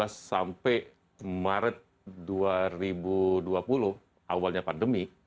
dari dua ribu sembilan belas sampai maret dua ribu dua puluh awalnya pandemi